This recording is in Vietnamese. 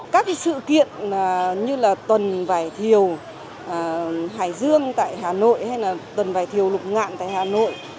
các sự kiện như là tuần vải thiều hải dương tại hà nội hay là tuần vải thiều lục ngạn tại hà nội